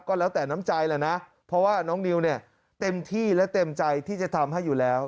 ก็แล้วแต่น้ำใจแหละนะเพราะว่าน้องนิวเนี่ยเต็มที่และเต็มใจที่จะทำให้อยู่แล้ว